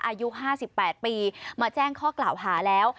อายุ๕๘ปีมาแจ้งข้อกล่าวหาแล้ว